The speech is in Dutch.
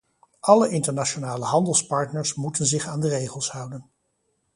Alle internationale handelspartners moeten zich aan de regels houden.